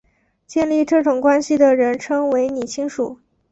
建立这种关系的人称为拟亲属。